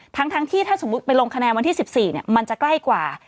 ทั้งที่ถ้าสมมุติไปลงคะแนนวันที่๑๔มันจะใกล้กว่า